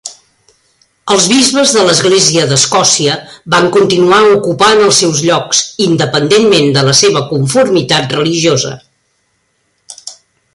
Els bisbes de l'Església d'Escòcia van continuar ocupant els seus llocs, independentment de la seva conformitat religiosa.